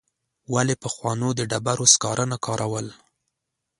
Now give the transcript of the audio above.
ولي پخوانو د ډبرو سکاره نه کارول؟